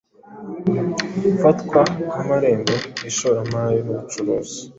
gafatwa nk’amarembo y’ishoramari n’ubucuruzi